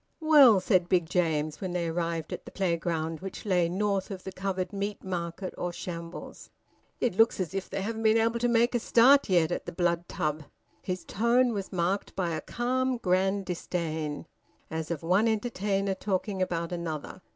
"Well," said Big James, when they arrived at the playground, which lay north of the covered Meat Market or Shambles, "it looks as if they hadn't been able to make a start yet at the Blood Tub." His tone was marked by a calm, grand disdain, as of one entertainer talking about another.